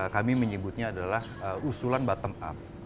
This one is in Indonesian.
kami menyebutnya adalah usulan bottom up